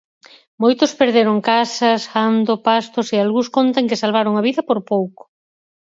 Moitos perderon casas, gando, pastos e algúns contan que salvaron a vida por pouco.